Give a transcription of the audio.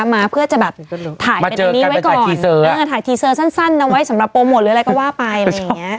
มาเพื่อจะแบบถ่ายเป็นไอ้นี้ไว้ก่อนมาเจอกันไปถ่ายทีเซอร์ถ่ายทีเซอร์สั้นสั้นนะไว้สำหรับโปรโมทหรืออะไรก็ว่าไปอะไรอย่างเงี้ย